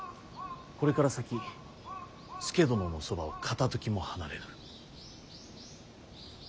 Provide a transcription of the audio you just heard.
これから先佐殿のそばを片ときも離れぬ。